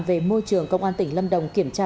về môi trường công an tỉnh lâm đồng kiểm tra